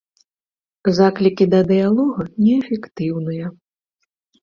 Заклікі да дыялога неэфектыўныя.